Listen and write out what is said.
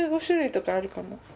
１５種類とかあるかな